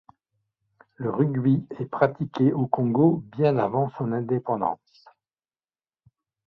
Le rugby est pratiqué au Congo bien avant son indépendance.